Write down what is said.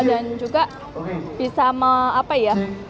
dan juga bisa apa ya